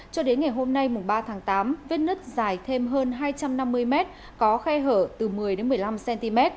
cho đến ngày hôm nay mùng ba tháng tám vết nứt dài thêm hơn hai trăm năm mươi mét có khe hở từ một mươi một mươi năm cm